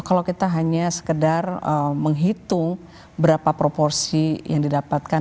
kalau kita hanya sekedar menghitung berapa proporsi yang didapatkan